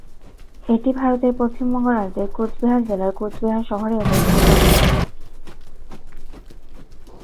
এটি ভারতের পশ্চিমবঙ্গ রাজ্যের কোচবিহার জেলার কোচবিহার শহরে অবস্থিত।